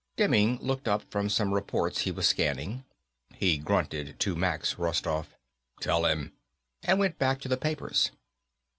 Demming looked up from some reports he was scanning. He grunted to Max Rostoff, "Tell him," and went back to the papers.